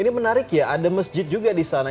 ini menarik ya ada masjid juga di sana